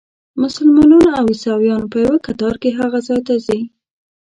مسلمانان او عیسویان په یوه کتار کې هغه ځای ته ځي.